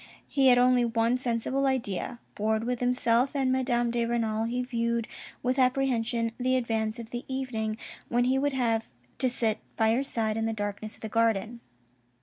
He had only one sensible idea. Bored with himself and Madame de Renal, he viewed with apprehension the advance of the evening when he would have to sit by her side in the darkness of the garden.